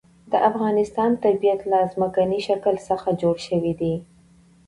د افغانستان طبیعت له ځمکنی شکل څخه جوړ شوی دی.